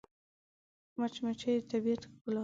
مچمچۍ د طبیعت ښکلا ده